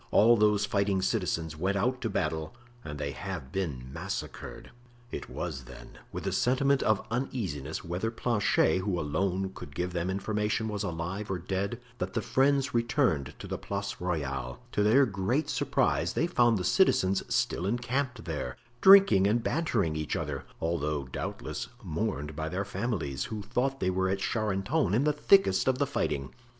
All those fighting citizens went out to battle and they have been massacred." It was, then, with a sentiment of uneasiness whether Planchet, who alone could give them information, was alive or dead, that the friends returned to the Place Royale; to their great surprise they found the citizens still encamped there, drinking and bantering each other, although, doubtless, mourned by their families, who thought they were at Charenton in the thickest of the fighting.